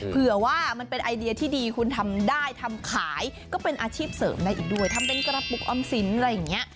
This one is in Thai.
เผื่อว่ามันเป็นไอเดียที่ดีคุณทำได้ทำขายก็เป็นอาชีพเสริมได้อีกด้วยทำเป็นกระปุกออมสินอะไรอย่างนี้